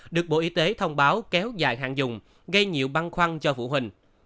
được bộ y tế thông báo kéo dài hạn dùng gây nhiều băn khoăn cho phụ huynh